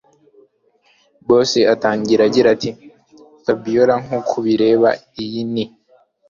Boss atangira agira atiFabiora nkuko ubireba iyi ni